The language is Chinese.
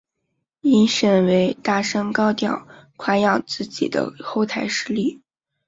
引申为大声高调夸耀自己的后台势力。